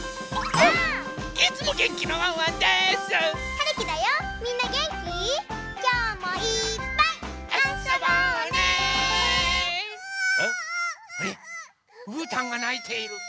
うーたんがないている。